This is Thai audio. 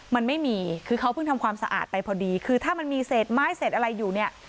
มันไม่มีคือเขาเพิ่งทำความสะอาดไปพอดีคือถ้ามันมีเศษไม้เศษอะไรอยู่เนี่ย